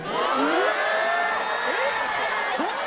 えっ！